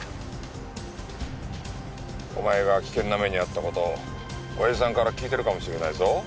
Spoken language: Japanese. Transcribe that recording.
お前が危険な目に遭ったこと親父さんから聞いてるかもしれないぞ。